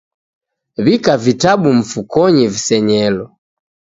Wika vitabu mfukonyi visenyelo